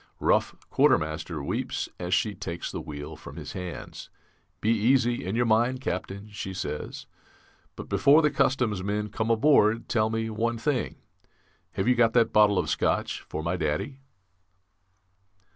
Rough quartermaster weeps as she takes the wheel from his hands. 'Be easy in your mind, Captain,' she says; 'but before the customs men come aboard tell me one thing have you got that bottle of Scotch for my Daddy?'"